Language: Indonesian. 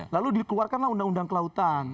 lalu dikeluarkanlah undang undang kelautan